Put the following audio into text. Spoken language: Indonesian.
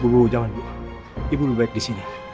bu jangan bu ibu lebih baik di sini